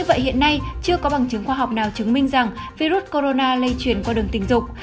như vậy hiện nay chưa có bằng chứng khoa học nào chứng minh rằng virus corona lây truyền qua đường tình dục